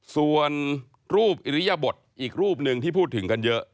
ส่วนรูปอิริยบทอีกรูปหนึ่งที่พูดถึงกันเยอะ